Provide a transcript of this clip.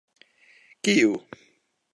kiu